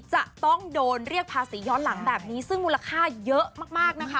จะต้องโดนเรียกภาษีย้อนหลังแบบนี้ซึ่งมูลค่าเยอะมากนะคะ